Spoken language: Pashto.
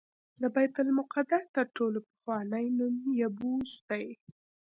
د بیت المقدس تر ټولو پخوانی نوم یبوس دی.